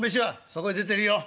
「そこへ出てるよ。